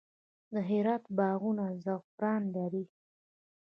د هرات باغونه زعفران لري.